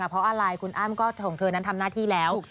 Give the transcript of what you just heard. เพราะอะไรก็คุณอ้ามนั่นทำหน้าที่แล้ว